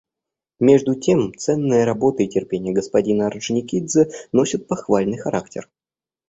Между тем ценная работа и терпение господина Орджоникидзе носят похвальный характер.